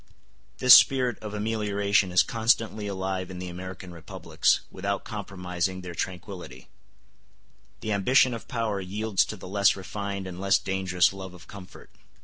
This spirit of amelioration is constantly alive in the American republics, without compromising their tranquillity; the ambition of power yields to the less refined and less dangerous love of comfort.